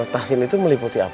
tahsin itu meliputi apa